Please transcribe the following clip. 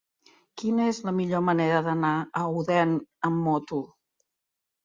Quina és la millor manera d'anar a Odèn amb moto?